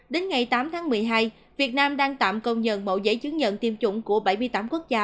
đến ngày tám tháng một mươi hai việt nam đang tạm công nhận mẫu giấy chứng nhận tiêm chủng của bảy mươi tám quốc gia